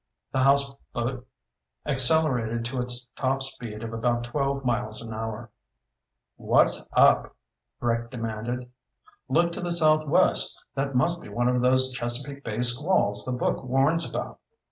The houseboat accelerated to its top speed of about twelve miles an hour. "What's up?" Rick demanded. "Look to the southwest. That must be one of those Chesapeake Bay squalls the book warns about."